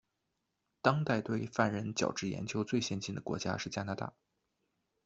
当代对犯人矫治研究最先进的国家是加拿大。